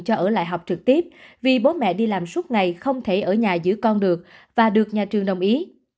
cho ở lại học trực tiếp vì bố mẹ đi làm suốt ngày không thể ở nhà giữ con được và được nhà trường đồng ý